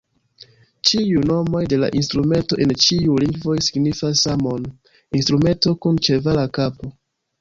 Ĉiuj nomoj de la instrumento en ĉiuj lingvoj signifas samon: "instrumento kun ĉevala kapo".